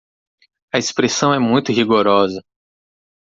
A expressão é muito rigorosa